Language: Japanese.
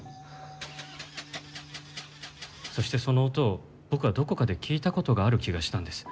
そしてその音を僕はどこかで聞いた事がある気がしたんです。